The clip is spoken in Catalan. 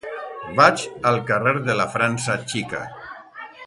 Vaig al carrer de la França Xica.